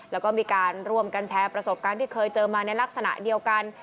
แล้วก็มีการร่วมกันแชร์ประสบการณ์ที่เคยเจอมาในลักษณะเดียวกัน